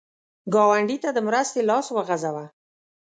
ګاونډي ته د مرستې لاس وغځوه